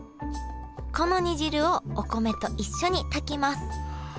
この煮汁をお米と一緒に炊きます